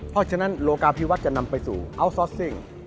เพราะฉะนั้นโรคการ์ภิวัฒน์จะนำไปสู่แก่งเว้น